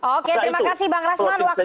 oke terima kasih bang rasman waktu